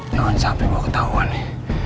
jangan sampe gue ketauan nih